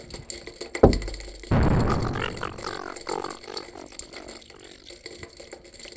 They could also carry a single passenger when required.